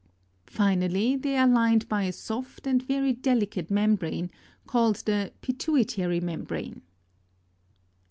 Finally, they are lined by a soft and very delicate membrane, called the pituitary membrane.